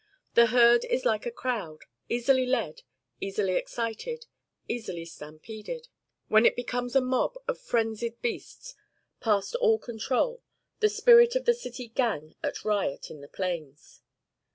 The herd is like a crowd, easily led, easily excited, easily stampeded, when it becomes a mob of frenzied beasts, past all control, the spirit of the city 'gang' at riot in the plains.